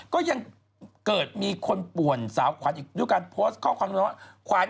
ก็ยังเกิดมีคนป่วนสาวขวัญอีกด้วยการโพสต์ข้อความว่าขวัญ